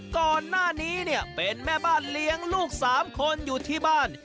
ก่อนหน้านี้เนี่ยเป็นแม่บ้านเลี้ยงลูก๓คนอยู่ที่บ้าน